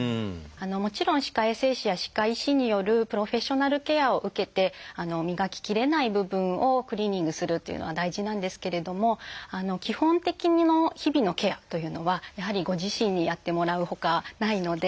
もちろん歯科衛生士や歯科医師によるプロフェッショナルケアを受けて磨ききれない部分をクリーニングするというのは大事なんですけれども基本的な日々のケアというのはやはりご自身にやってもらうほかないので。